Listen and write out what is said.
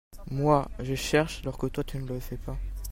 Moi, je cherche alors que toi tu ne le fais pas.